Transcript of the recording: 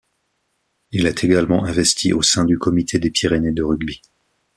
Il est également investi au sein du Comité des Pyrénées de rugby.